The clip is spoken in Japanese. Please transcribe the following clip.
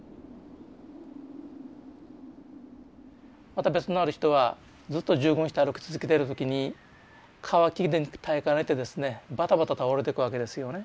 また別のある人はずっと従軍して歩き続けてる時に渇きで耐えかねてですねバタバタ倒れてくわけですよね。